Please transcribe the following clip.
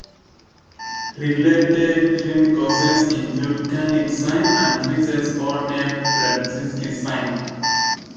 Related clinical signs include Kernig's sign and three signs all named Brudzinski's sign.